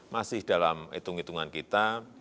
masih dalam hitung hitungan kita